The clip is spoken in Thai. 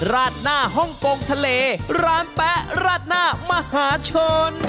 ราดหน้าฮ่องกงทะเลร้านแป๊ะราดหน้ามหาชน